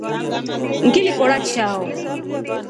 Ngili kora chao.